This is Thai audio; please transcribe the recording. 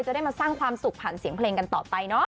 ได้มาสร้างความสุขผ่านเสียงเพลงกันต่อไปเนาะ